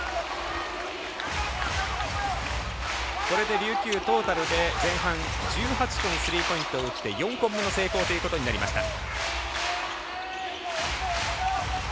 これで琉球トータルで前半１８本スリーポイントを打って４本目の成功となりました。